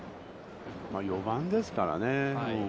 ４番ですからね。